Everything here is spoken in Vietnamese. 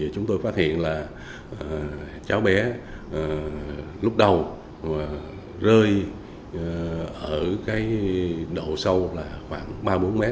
chúng tôi phát hiện là cháu bé lúc đầu rơi ở độ sâu khoảng ba bốn m